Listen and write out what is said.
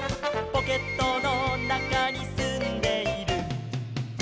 「ポケットのなかにすんでいる」